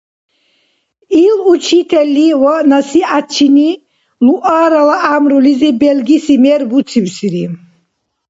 Ил учительли ва насихӀятчини Луарала гӀямрулизиб белгиси мер буцибсири.